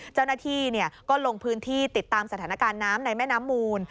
เจ้าหน้าที่ก็ลงพื้นที่ติดตามสถานการณ์น้ำในแม่น้ำมูล